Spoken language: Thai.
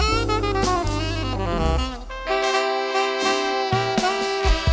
เมื่อเวลาเมื่อเวลา